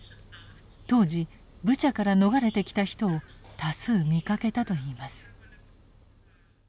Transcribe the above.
当時ブチャから逃れてきた人を多数見かけたと言います。